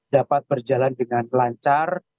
dapat berjalan dengan lancar